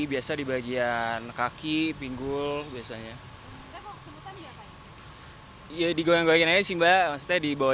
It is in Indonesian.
biasa di bagian kaki pinggul biasanya ya digoreng goreng aja sih mbak maksudnya dibawa